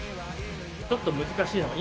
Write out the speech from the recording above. ちょっと難しいのを。